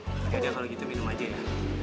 gak ada kalo kita minum aja ya